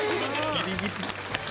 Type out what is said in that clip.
ギリギリ。